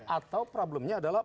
atau problemnya adalah